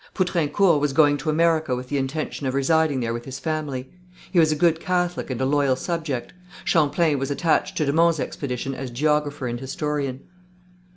Poutrincourt was going to America with the intention of residing there with his family. He was a good Catholic and a loyal subject. Champlain was attached to de Monts' expedition as geographer and historian.